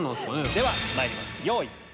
ではまいります。